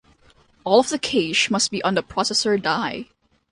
All of the cache must be on the processor die.